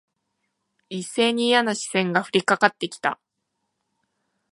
一斉にいやな視線が降りかかって来た。